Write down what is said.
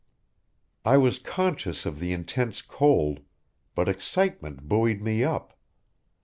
"I was conscious of the intense cold, but excitement buoyed me up.